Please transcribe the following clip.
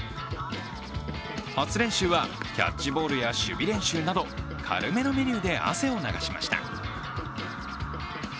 初練習はキャッチボールや守備練習など軽めのメニューで汗を流しました。